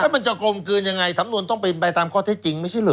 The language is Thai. มันจะกลมกลืนยังไงสำนวนต้องเป็นไปตามข้อเท็จจริงไม่ใช่เหรอ